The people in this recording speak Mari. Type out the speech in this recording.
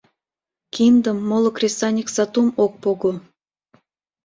Киндым, моло кресаньык сатум ок пого.